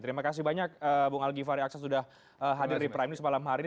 terima kasih banyak bung algyifari akses sudah hadir di prime news malam hari ini